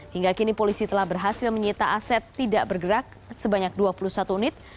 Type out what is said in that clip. hingga kini polisi telah berhasil menyita aset tidak bergerak sebanyak dua puluh satu unit